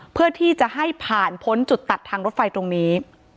เพื่อที่จะให้ผ่านพ้นจุดตัดทางรถไฟตรงนี้